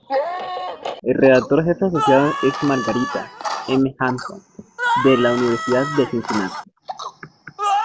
El Redactor jefe Asociado es Margarita M. Hanson del la Universidad de Cincinnati.